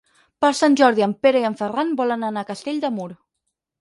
Per Sant Jordi en Pere i en Ferran volen anar a Castell de Mur.